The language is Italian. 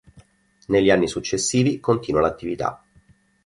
Negli anni successivi continua l'attività.